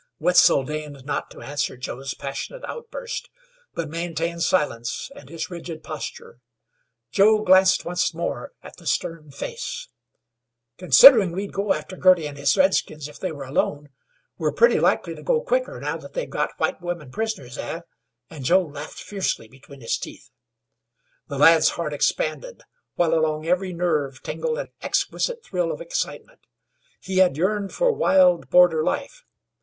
Wetzel deigned not to answer Joe's passionate outburst, but maintained silence and his rigid posture. Joe glanced once more at the stern face. "Considering we'd go after Girty and his redskins if they were alone, we're pretty likely to go quicker now that they've got white women prisoners, eh?" and Joe laughed fiercely between his teeth. The lad's heart expanded, while along every nerve tingled an exquisite thrill of excitement. He had yearned for wild, border life.